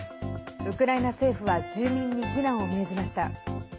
ウクライナ政府は住民に避難を命じました。